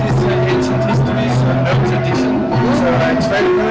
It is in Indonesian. jadi ini sangat bagus untuk dilihat